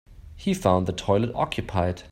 He found the toilet occupied.